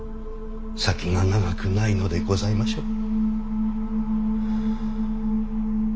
先が長くないのでございましょう？